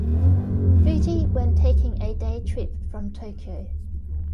Fuji when taking a day trip from Tokyo.